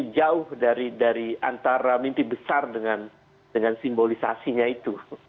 jauh dari antara mimpi besar dengan simbolisasinya itu